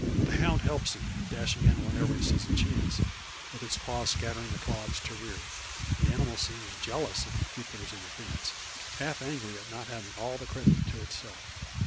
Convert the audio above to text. The hound helps him, dashing in whenever it sees a chance, with its paws scattering the clods to rear. The animal seems jealous of Jupiter's interference, half angry at not having all the credit to itself.